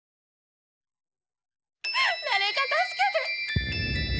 誰か助けて！